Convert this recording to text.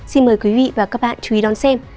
xin mời quý vị và các bạn chú ý đón xem